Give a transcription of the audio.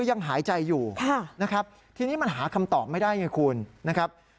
ยังหายใจอยู่นะครับทีนี้มันหาคำตอบไม่ได้ไงคุณนะครับ